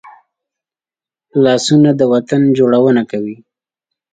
لاسونه د وطن جوړونه کوي